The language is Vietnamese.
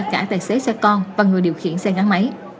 cả tài xế xe con và người điều khiển xe gắn máy